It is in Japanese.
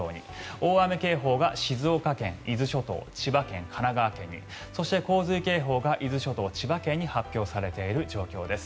大雨警報が静岡県、伊豆諸島、千葉県神奈川県にそして、洪水警報が伊豆半島、千葉県に発表されている状況です。